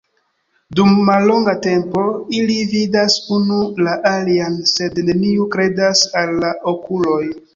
Dum mallonga tempo ili vidas unu la alian, sed neniu kredas al la okuloj.